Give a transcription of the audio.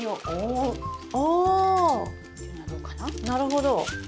あなるほど。